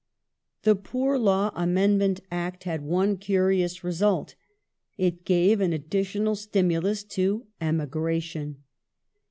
The Poor Law Amendment Act had one curious result. It gave an additional stimulus to emigration.